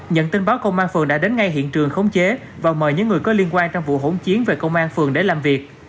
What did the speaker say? nhận tin báo công an phường đã đến ngay hiện trường khống chế và mời những người có liên quan trong vụ hỗn chiến về công an phường để làm việc